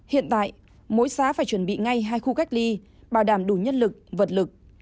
hiện tại mỗi xã phải chuẩn bị ngay hai khu cách ly bảo đảm đủ nhân lực vật lực